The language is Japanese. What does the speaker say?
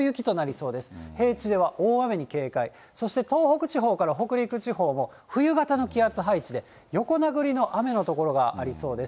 そして東北地方から北陸地方も、冬型の気圧配置で横殴りの雨の所がありそうです。